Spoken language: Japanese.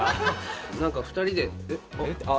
何か２人でえっ？